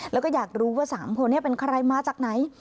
แล้วก็อยากรู้ว่า๓คนนี้เป็นใครมาจากไหน